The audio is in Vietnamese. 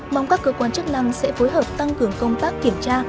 mong các cơ quan chức năng sẽ phối hợp tăng cường công tác kiểm tra